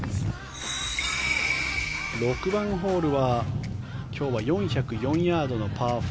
６番ホールは今日は４０４ヤードのパー４。